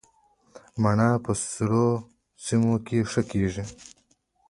مڼه په سړو سیمو کې ښه کیږي